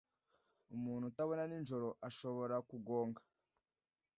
umuntu utabona nijoro ashobora kugonga